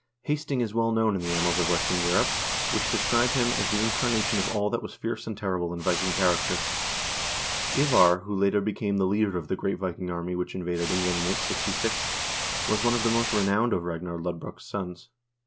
Hast ing is well known in the annals of western Europe, which describe him as the incarnation of all that was fierce and terrible in Viking character.1 Ivar, who later became the leader of the great Viking army which invaded England in 866, was one of the most renowned of Ragnar Lodbrok's sons.